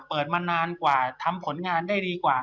เปิดมานานกว่าทำผลงานได้ดีกว่า